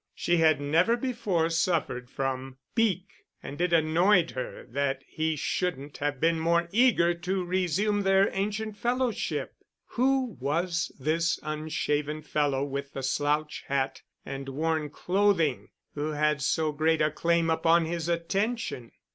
She had never before suffered from pique, and it annoyed her that he shouldn't have been more eager to resume their ancient fellowship. Who was this unshaven fellow with the slouch hat and worn clothing who had so great a claim upon his attention?